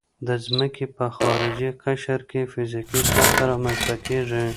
د ځمکې په خارجي قشر کې فزیکي سطحه رامنځته کیږي